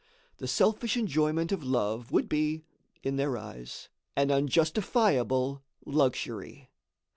The selfish enjoyment of love would be, in their eyes, an unjustifiable luxury.